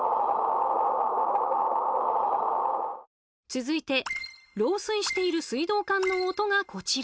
続いて漏水している水道管の音がこちら。